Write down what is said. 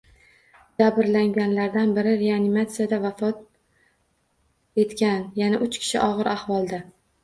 Jabrlanganlardan biri reanimatsiyada vafot etgan, yana uch kishi og‘ir ahvolda